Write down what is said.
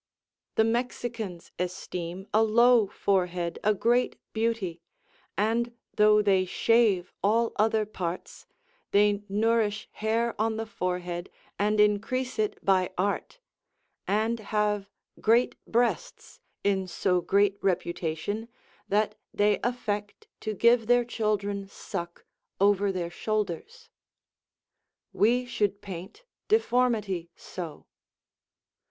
The Mexicans esteem a low forehead a great beauty, and though they shave all other parts, they nourish hair on the forehead and increase it by art, and have great breasts in so great reputation that they affect to give their children suck over their shoulders. We should paint deformity so.